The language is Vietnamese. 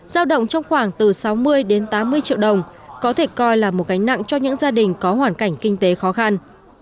giao động trong khoảng từ sáu mươi đến tám mươi triệu đồng có thể coi là một gánh nặng cho những gia đình có hoàn cảnh kinh tế khó khăn